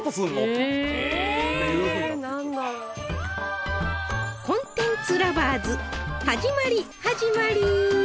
「コンテンツ・ラヴァーズ」始まり始まり！